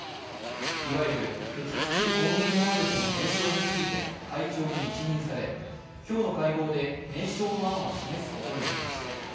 いわゆる、敵基地攻撃能力の名称についても会長に一任され、今日の会合で名称の案を示すことになりました。